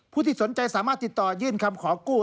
ที่สนใจสามารถติดต่อยื่นคำขอกู้